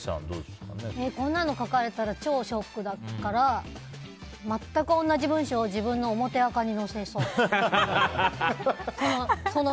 こんなの書かれたら超ショックだから全く同じ文章を自分の表アカに載せそう。